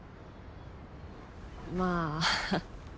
まあ。